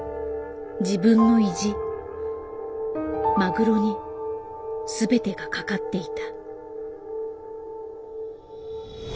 自分の意地マグロに全てがかかっていた。